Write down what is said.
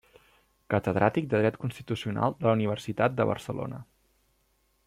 Catedràtic de Dret Constitucional de la Universitat de Barcelona.